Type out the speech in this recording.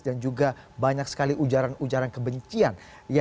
dan juga banyak sekali ujaran ujaran kebencian